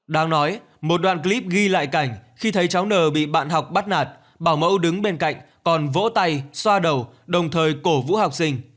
đang nói một đoạn clip ghi lại cảnh khi thấy cháu n bị bạn học bắt nạt bảo mẫu đứng bên cạnh còn vỗ tay xoa đầu đồng thời cổ vũ học sinh